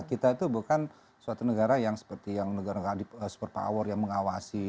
kita itu bukan suatu negara yang seperti yang negara negara super power yang mengawasi